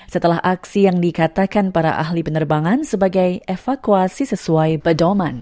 setelah aksi yang dikatakan para ahli penerbangan sebagai evakuasi sesuai pedoman